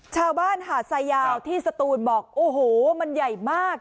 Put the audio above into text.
ชาวบ้านหาดสายยาวที่สตูนบอกโอ้โหมันใหญ่มาก